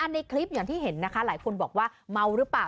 ในคลิปอย่างที่เห็นนะคะหลายคนบอกว่าเมาหรือเปล่า